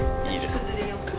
泣き崩れようか？